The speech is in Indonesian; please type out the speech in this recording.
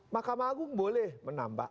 mahkamah agung boleh menambah